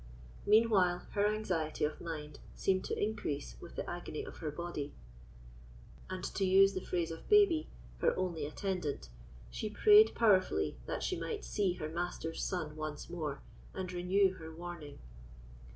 Meantime her anxiety of mind seemed to increase with the agony of her body; and, to use the phrase of Babie, her only attendant, "she prayed powerfully that she might see her master's son once more, and renew her warning."